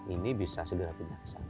ini bisa segera diaksanakan